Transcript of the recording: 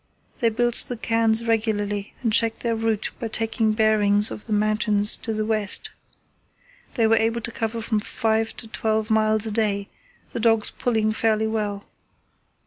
They built the cairns regularly and checked their route by taking bearings of the mountains to the west. They were able to cover from five to twelve miles a day, the dogs pulling fairly well.